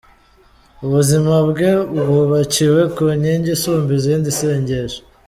Ubuzima bwe bwubakiye ku ngingi isumba izindi “Isengesho”.